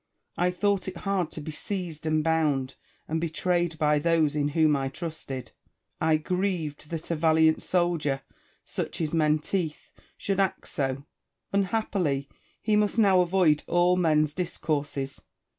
I thought it hard to be seized and bound and betrayed by those in whom I trusted. I grieved that a valiant soldier (such is Menteith) should act so. Unhappily ! he must now avoid all men's discourses.